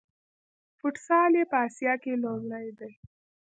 فوټسال یې په اسیا کې لومړی دی.